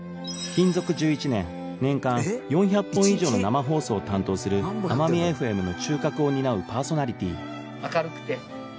勤続１１年年間４００本以上の生放送を担当するあまみエフエムの中核を担うパーソナリティ